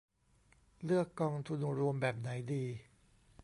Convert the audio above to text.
เลือกกองทุนรวมแบบไหนดี